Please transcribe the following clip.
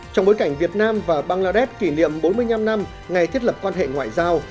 trong bối cảnh việt nam và bangladesh kỷ niệm bốn mươi năm năm ngày thiết lập quan hệ ngoại giao